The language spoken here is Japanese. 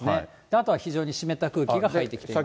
あとは非常に湿った空気が入ってきています。